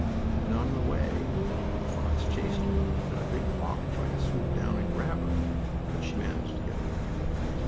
And on the way a fox chased her and a big hawk tried to swoop down, and grab her, but she managed to get away.